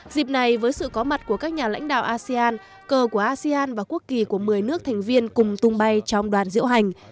dịp này với sự có mặt của các nhà lãnh đạo asean cờ của asean và quốc kỳ của một mươi nước thành viên cùng tung bay trong đoàn diễu hành